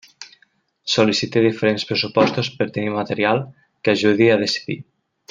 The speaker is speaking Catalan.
Sol·licita diferents pressupostos per tenir material que ajudi a decidir.